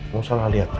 mau salah lihat tadi